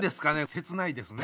切ないですね。